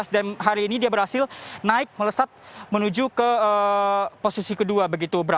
dan hari ini dia berhasil naik melesat menuju ke posisi ke dua begitu bram